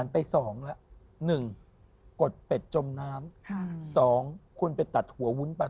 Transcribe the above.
นั่นก็คือผลกรรมมาตามคุณแล้ว